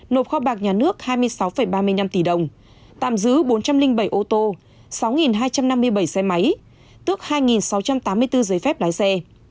nộp kho bạc nhà nước hai mươi sáu ba mươi năm tỷ đồng tạm giữ bốn trăm linh bảy ô tô sáu hai trăm năm mươi bảy xe máy tước hai sáu trăm tám mươi bốn giấy phép lái xe